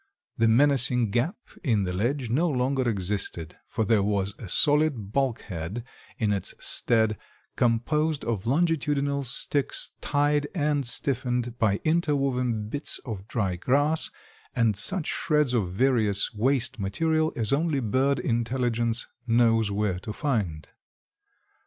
The menacing gap in the ledge no longer existed; for there was a solid bulkhead in its stead composed of longitudinal sticks tied and stiffened by interwoven bits of dry grass and such shreds of various waste material as only bird intelligence knows where to find.